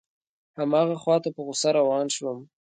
هماغه خواته په غوسه روان شوم.